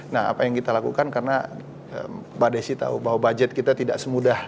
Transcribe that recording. nah apa yang kita lakukan karena mbak desi tahu bahwa budget kita tidak semudah